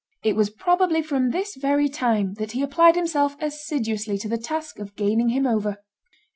It was probably from this very time that he applied himself assiduously to the task of gaining him over.